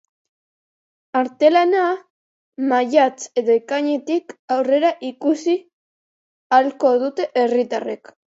Artelana maiatz edo ekainetik aurrera ikusi ahalko dute herritarrek.